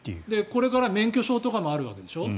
これから免許証とかもあるわけでしょ。